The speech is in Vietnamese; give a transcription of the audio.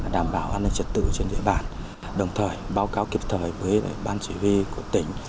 đảm bảo an ninh trật tự trên địa bàn đồng thời báo cáo kịp thời với ban chỉ huy của tỉnh